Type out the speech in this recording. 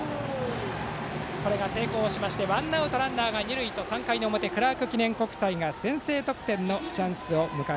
成功でワンアウトランナー、二塁と３回の表クラーク記念国際が先制得点のチャンスです。